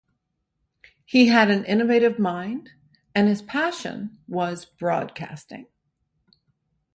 He had an innovative mind and his passion was broadcasting.